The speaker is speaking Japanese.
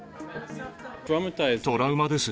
トラウマです。